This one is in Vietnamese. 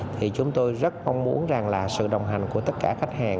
thì chúng tôi rất mong muốn rằng là sự đồng hành của tất cả khách hàng